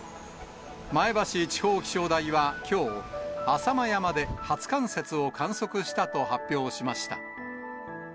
前橋地方気象台はきょう、浅間山で初冠雪を観測したと発表しました。